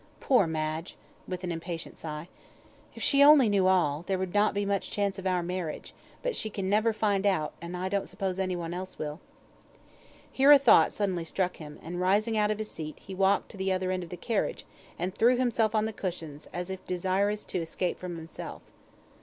Poor Madge!" with an impatient sigh. "If she only knew all, there would not be much chance of our marriage; but she can never find out, and I don't suppose anyone else will." Here a thought suddenly struck him, and rising out of his seat, he walked to the other end of the carriage, and threw himself on the cushions, as if desirous to escape from himself.